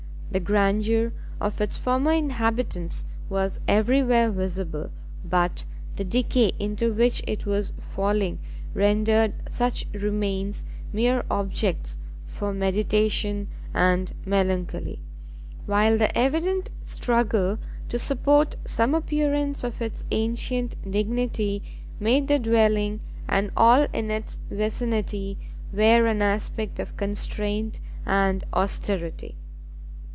The grandeur of its former inhabitants was every where visible, but the decay into which it was falling rendered such remains mere objects for meditation and melancholy; while the evident struggle to support some appearance of its ancient dignity, made the dwelling and all in its vicinity wear an aspect of constraint and austerity.